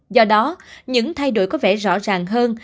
do đó những thay đổi có vẻ rõ ràng hơn